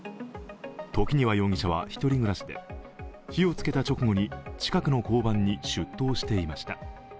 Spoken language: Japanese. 時庭容疑者は１人暮らしで火をつけた直後に近くの交番に出頭していました。